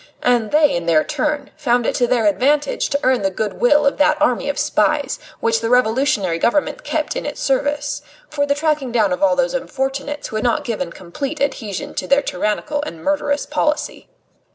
And they, in their turn, found it to their advantage to earn the good will of that army of spies, which the Revolutionary Government kept in its service, for the tracking down of all those unfortunates who had not given complete adhesion to their tyrannical and murderous policy.